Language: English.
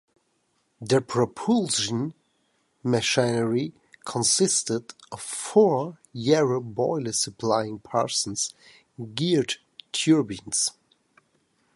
The propulsion machinery consisted of four Yarrow boilers supplying Parsons geared turbines.